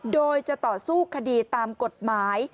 โดยจะต่อสู้คดีตามกฎหมาย